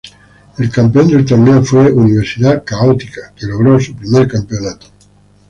El campeón del torneo fue Universidad Católica, que logró su primer campeonato.